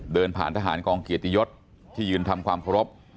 เดินผ่านทหารกองเกียรติยศที่ยืนทำความเคารพ